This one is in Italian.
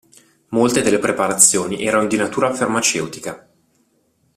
Molte delle preparazioni erano di natura farmaceutica.